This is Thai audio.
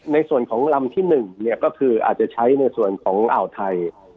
ในส่วนของลำที่๑ก็คืออาจจะใช้ในส่วนของอ่าวไทย